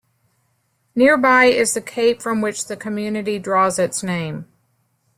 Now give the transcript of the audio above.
Nearby is the Cape from which the community draws its name.